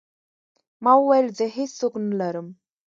ما وويل زه هېڅ څوک نه لرم.